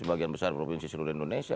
sebagian besar provinsi seluruh indonesia